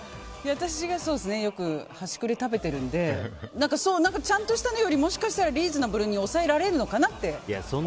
私がよく端くれを食べてるのでちゃんとしたのよりもリーズナブルに抑えられるのかなって。